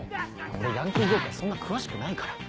俺ヤンキー業界そんな詳しくないから。